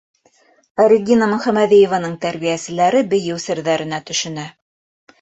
Ә Регина Мөхәмәҙиеваның тәрбиәселәре бейеү серҙәренә төшөнә.